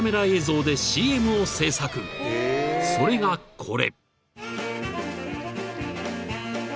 ［それがこれ］